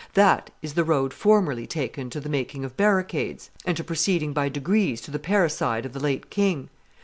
That is the road formerly, taken to the making of barricades, and to proceeding by degrees to the parricide of the late king.